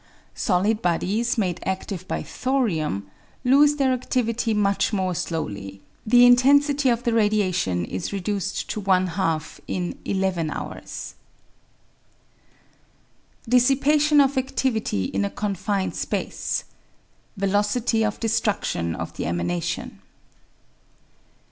Solid bodies, made adtive by thorium, lose their adtivity much more slowly; the intensity of the radiation is reduced to one half in eleven hours, Dissipation of Activity in a Confined Space. Velocity of Destruction of the Emanation